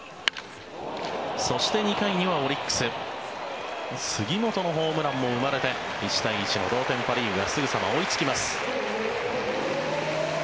そして、２回にはオリックス、杉本のホームランも生まれて１対１の同点パ・リーグがすぐさま追いつきます。